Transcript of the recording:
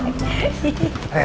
om baik ngapain kesini